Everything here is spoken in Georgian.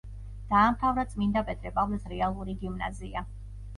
დაამთავრა წმინდა პეტრე-პავლეს რეალური გიმნაზია.